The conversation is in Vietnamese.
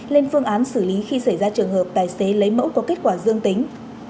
lên phương án xử lý khi xảy ra trường hợp tài xế lấy mẫu có kết quả dương tính